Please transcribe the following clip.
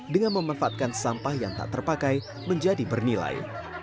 dengan memanfaatkan sampah yang tak terpakai menjadi bernilai